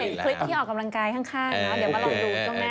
เดี๋ยวมาลองดูตรงนั้น